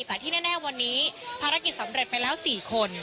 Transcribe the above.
แต่ที่แน่วันนี้ภารกิจสำเร็จไปแล้ว๔คน